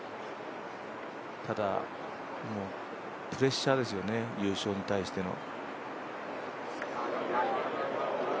ただ、もうプレッシャーですよね、優勝に対しての。